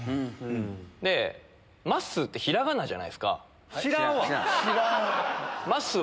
で、まっすーってひらがなじゃな知らんわ。